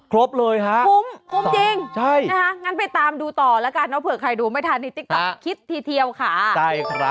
ครบเลยค่ะ